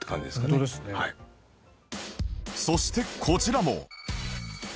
そしてこちらも